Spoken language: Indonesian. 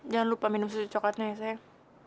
jangan lupa minum susu coklatnya ya sayang